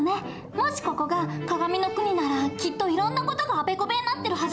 もしここが鏡の国ならきっといろんな事があべこべになってるはず。